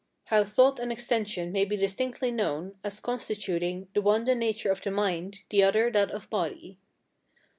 How thought and extension may be distinctly known, as constituting, the one the nature of mind, the other that of body.